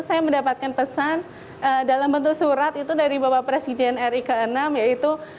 saya mendapatkan pesan dalam bentuk surat itu dari bapak presiden ri ke enam yaitu